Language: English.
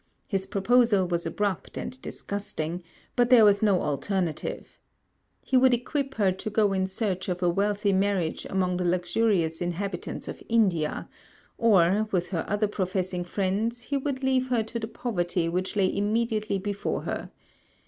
His proposal was abrupt and disgusting, but there was no alternative. He would equip her to go in search of a wealthy marriage among the luxurious inhabitants of India; or, with her other professing friends, he would leave her to the poverty which lay immediately before her.